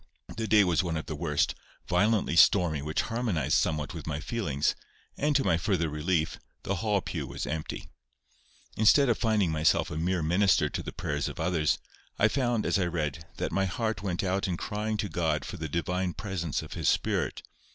The day was one of the worst—violently stormy, which harmonized somewhat with my feelings; and, to my further relief, the Hall pew was empty. Instead of finding myself a mere minister to the prayers of others, I found, as I read, that my heart went out in crying to God for the divine presence of His Spirit.